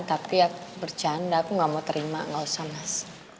tapi aku bercanda aku gak mau terima gak usah mas